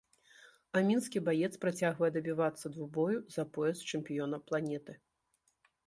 А мінскі баец працягвае дабівацца двубою за пояс чэмпіёна планеты.